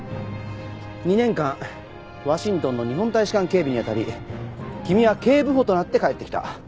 ２年間ワシントンの日本大使館警備にあたり君は警部補となって帰ってきた。